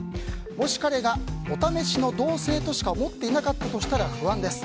もし、彼がお試しの同棲としか思っていなかったとしたら不安です。